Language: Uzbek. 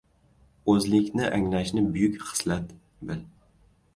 — O‘zlikni anglashni buyuk xislat bil.